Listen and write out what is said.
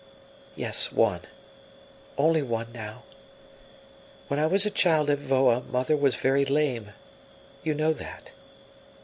"Yes, one only one now. When I was a child at Voa mother was very lame you know that.